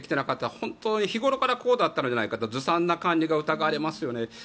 本当に日頃からこうだったのではないかとずさんな管理が疑われますよね。